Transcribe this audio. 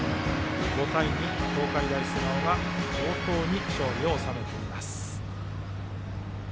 ５対２と東海大菅生が城東に勝利を収めています。